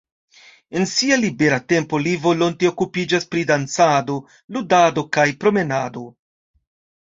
En sia libera tempo li volonte okupiĝas pri dancado, ludado kaj promenado.